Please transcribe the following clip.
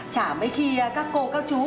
chả mấy khi các cô các chú